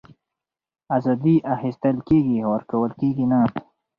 آزادي اخيستل کېږي ورکول کېږي نه